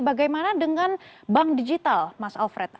bagaimana dengan bank digital mas alfred